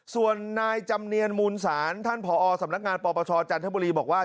ส่วนนายจำเนียนมูลศาลท่านผอสำนักงานปปชจันทบุรีบอกว่า